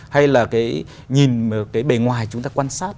hay là cái nhìn cái bề ngoài chúng ta quan sát